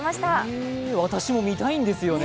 へえ、私も見たいんですよね